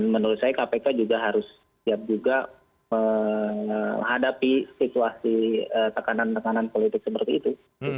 menurut saya kpk juga harus siap juga menghadapi situasi tekanan tekanan politik seperti itu